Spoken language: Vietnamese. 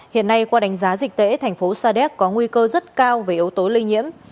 hiện nay qua đánh giá dịch tễ thành phố sa đéc có nguy cơ rất cao về yếu tố lây nhiễm